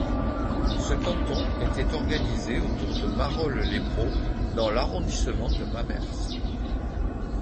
Ce canton était organisé autour de Marolles-les-Braults dans l'arrondissement de Mamers.